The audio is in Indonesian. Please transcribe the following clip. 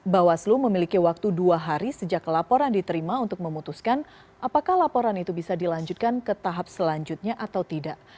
bawaslu memiliki waktu dua hari sejak laporan diterima untuk memutuskan apakah laporan itu bisa dilanjutkan ke tahap selanjutnya atau tidak